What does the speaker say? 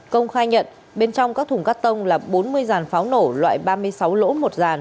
công khai nhận bên trong các thùng cắt tông là bốn mươi dàn pháo nổ loại ba mươi sáu lỗ một giàn